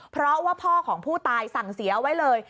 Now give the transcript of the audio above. เพราะว่าพ่อของผู้ตายสั่งเสียไว้เลย